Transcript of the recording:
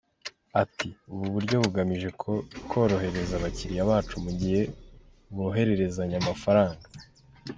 Ati “ Ubu buryo bugamije korohereza abakiliya bacu mu gihe bohererezanya amafaranga.